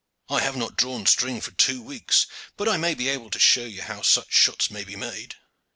I have not drawn string for two weeks, but I may be able to show ye how such shots should be made."